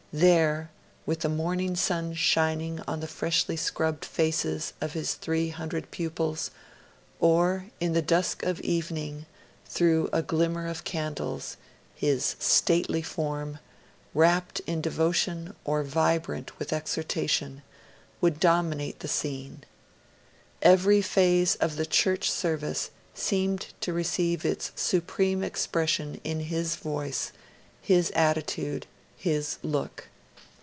There, with the morning sun shining on the freshly scrubbed faces of his 300 pupils, or, in the dusk of evening, through a glimmer of candles, his stately form, rapt in devotion or vibrant with exhortation, would dominate the scene. Every phase of the Church service seemed to receive its supreme expression in his voice, his attitude, his look.